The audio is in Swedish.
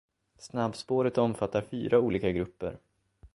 Snabbspåret omfattar fyra olika grupper.